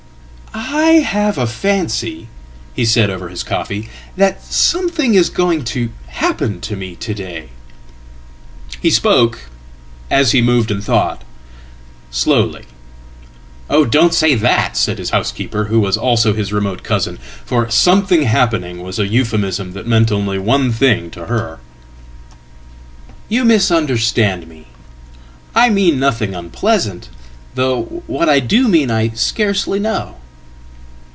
"I have a fancy," he said over his coffee, "that something is going tohappen to me to day." He spoke as he moved and thought slowly."Oh, don't say that!" said his housekeeper who was also his remotecousin. For "something happening" was a euphemism that meant only onething to her."You misunderstand me. I mean nothing unpleasant...though what I do mean Iscarcely know."